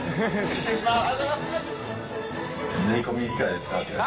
失礼します